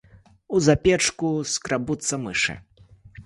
У запечку скрабуцца мышы.